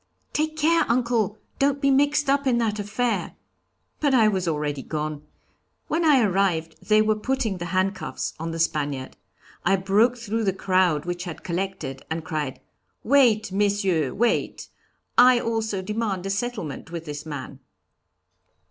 'Take care, uncle, don't be mixed up in that affair.' But I was already gone. When I arrived they were putting the handcuffs on the Spaniard. I broke through the crowd which had collected, and cried, 'Wait, Messieurs, wait; I also demand a settlement with this man.'